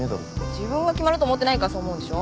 自分が決まると思ってないからそう思うんでしょ。